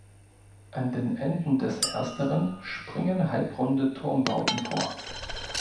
An den Enden des ersteren springen halbrunde Turmbauten vor.